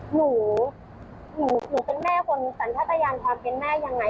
หนูเป็นแม่คนแต่ถ้าจะยังความเป็นแม่อย่างไร